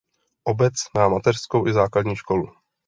Obec má mateřskou i základní školu.